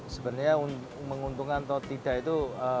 sebenarnya menguntungkan atau tidak itu